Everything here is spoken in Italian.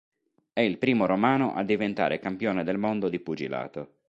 È il primo romano a diventare campione del mondo di pugilato.